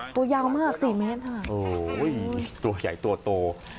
ตัวยาวมากสี่เมตรค่ะโอ้โหตัวใหญ่ตัวโต